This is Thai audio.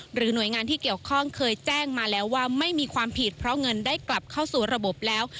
หน่วยงานที่เกี่ยวข้องเคยแจ้งมาแล้วว่าไม่มีความผิดเพราะเงินได้กลับเข้าสู่ระบบแล้ว